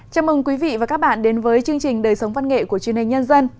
chào mừng quý vị và các bạn đến với chương trình đời sống văn nghệ của truyền hình nhân dân